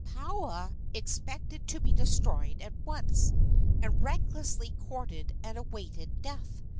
Paoa expected to be destroyed at once, and recklessly courted and awaited death.